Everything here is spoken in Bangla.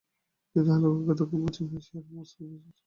তিনি হালাকুকে দক্ষিণ পশ্চিম এশিয়ার মুসলিম অঞ্চল জয়ের জন্য প্রেরণ করেন।